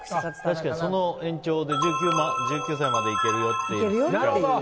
確かにその延長で１９歳までいけるよっていうね。